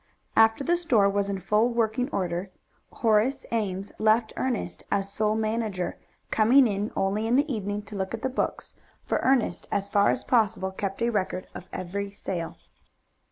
After the store was in full working order, Horace Ames left Ernest as sole manager, coming in only in the evening to look at the books, for Ernest as far as possible kept a record of every sale.